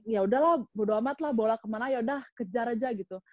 ya udahlah budo amat lah bola kemana yaudah kejar aja gitu